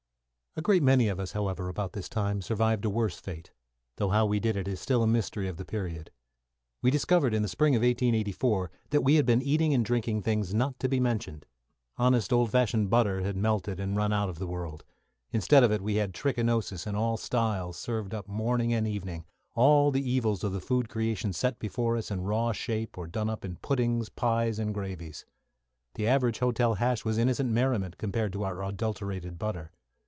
A great many of us, however, about this time, survived a worse fate, though how we did it is still a mystery of the period. We discovered, in the spring of 1884, that we had been eating and drinking things not to be mentioned. Honest old fashioned butter had melted and run out of the world. Instead of it we had trichinosis in all styles served up morning and evening all the evils of the food creation set before us in raw shape, or done up in puddings, pies, and gravies. The average hotel hash was innocent merriment compared to our adulterated butter.